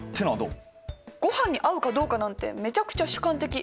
ごはんに合うかどうかなんてめちゃくちゃ主観的。